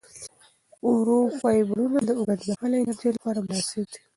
ورو فایبرونه د اوږدمهاله انرژۍ لپاره مناسب دي.